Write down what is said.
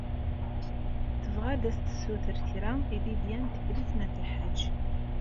Tebɣa ad as-tessuter kra i Lidya n Tifrit n At Lḥaǧ.